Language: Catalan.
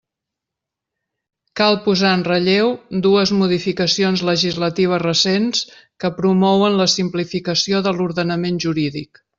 Cal posar en relleu dues modificacions legislatives recents que promouen la simplificació de l'ordenament jurídic.